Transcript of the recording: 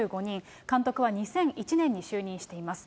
監督は２００１年に就任しています。